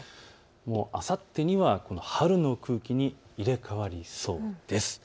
あさってには春の空気に入れ代わりそうです。